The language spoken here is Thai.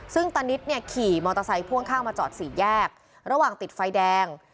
ซึ่งตานิดเนี่ยขี่มอเตอร์ไซค์พ่วงข้างมาจอดสี่แยกระหว่างติดไฟแดง